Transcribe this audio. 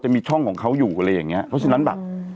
มีช่องของเขาอยู่อะไรอย่างนี้